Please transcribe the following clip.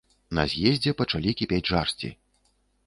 На з'ездзе пачалі кіпець жарсці.